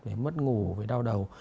về mất ngủ về đau đầu